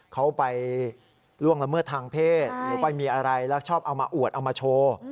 เขาไปล่วงละเมิดทางเพศหรือไปมีอะไรแล้วชอบเอามาอวดเอามาโชว์